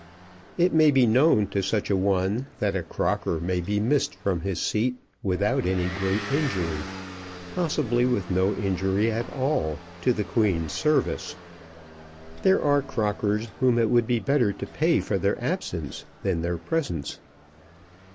It may be known to such a one that a Crocker may be missed from his seat without any great injury, possibly with no injury at all, to the Queen's service. There are Crockers whom it would be better to pay for their absence than their presence.